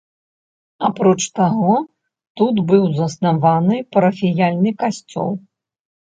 Апроч таго, тут быў заснаваны парафіяльны касцёл.